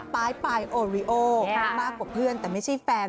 ปลายโอริโอมากกว่าเพื่อนแต่ไม่ใช่แฟน